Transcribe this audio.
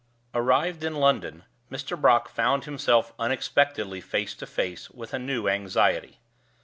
Arrived in London, Mr. Brock found himself unexpectedly face to face with a new anxiety.